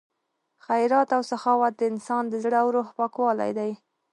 خیرات او سخاوت د انسان د زړه او روح پاکوالی دی.